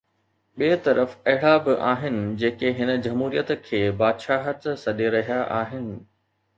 ٻئي طرف اهڙا به آهن جيڪي هن جمهوريت کي بادشاهت سڏي رهيا آهن.